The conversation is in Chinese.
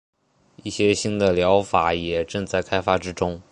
一些新的疗法也正在开发之中。